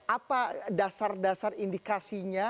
apa dasar dasar indikasinya